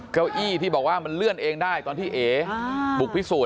เก้าอี้ที่บอกว่ามันเลื่อนเองได้ตอนที่เอ๋บุกพิสูจน